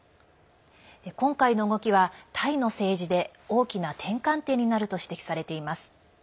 今回の動きは、タイの政治で大きな転換点になると指摘されています。